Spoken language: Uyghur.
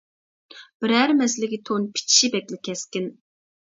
بىرەر مەسىلىگە تون پىچىشى بەكلا كەسكىن.